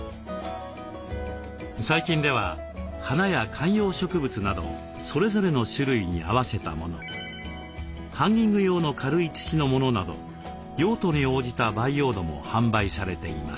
最近では花や観葉植物などそれぞれの種類に合わせたものハンギング用の軽い土のものなど用途に応じた培養土も販売されています。